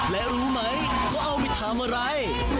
และรู้ไหมก็เอาไปถามอะไร